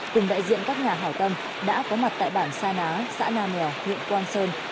cùng đại diện các nhà hảo tâm đã có mặt tại bản sa ná xã nam lào huyện quang sơn